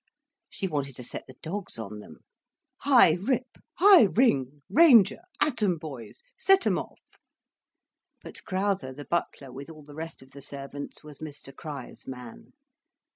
She wanted to set the dogs on them, "Hi Rip! Hi Ring! Ranger! At 'em boys, set 'em off." But Crowther, the butler, with all the rest of the servants, was Mr Crich's man.